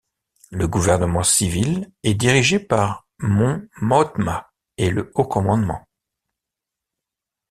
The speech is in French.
Le Gouvernement Civil est dirigé par Mon Mothma et le Haut Commandement.